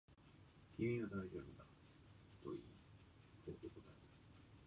君は大丈夫と言い、行こうと答えた